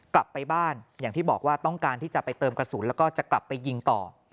กลับไปบ้านอย่างที่บอกว่าต้องการที่จะไปเติมกระสุนแล้วก็จะกลับไปยิงต่อ